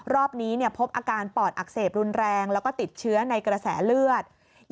รอบนี้พบอาการปอดอักเสบรุนแรงแล้วก็ติดเชื้อในกระแสเลือด